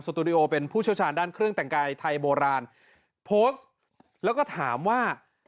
ตูดิโอเป็นผู้เชี่ยวชาญด้านเครื่องแต่งกายไทยโบราณโพสต์แล้วก็ถามว่า